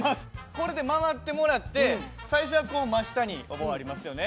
これで回ってもらって最初はこう真下にお盆ありますよね。